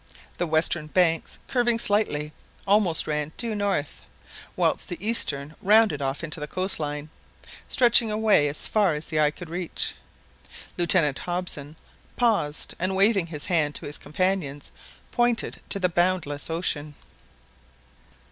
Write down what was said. The western banks, curving slightly, ran almost due north; whilst the eastern rounded off into the coastline, stretching away as far as the eye could reach. Lieutenant Hobson paused, and waving his hand to his companions, pointed to the boundless ocean.